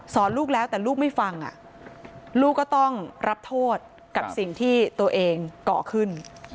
ลูกแล้วแต่ลูกไม่ฟังลูกก็ต้องรับโทษกับสิ่งที่ตัวเองก่อขึ้น